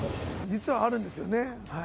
実はあるんですよね。